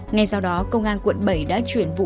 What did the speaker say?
ngay sau đó công an quận bảy đã chuyển vụ